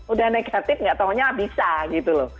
udah negatif nggak taunya bisa gitu loh